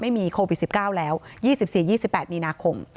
ไม่มีโควิด๑๙แล้ว๒๔๒๘มีนาคม